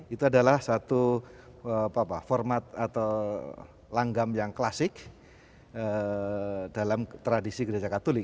itu adalah satu format atau langgam yang klasik dalam tradisi gereja katolik